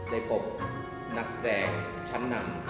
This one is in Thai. ได้พบนักแสดงชั้นนำ